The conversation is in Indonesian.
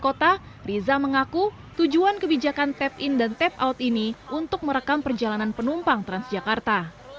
kota riza mengaku tujuan kebijakan tap in dan tap out ini untuk merekam perjalanan penumpang transjakarta